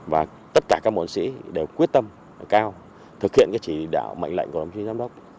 và tất cả các bộ sĩ đều quyết tâm cao thực hiện cái chỉ đạo mệnh lệnh của đồng chí giám đốc